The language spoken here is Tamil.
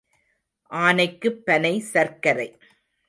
ஆனைக்குப் பனை சர்க்கரை.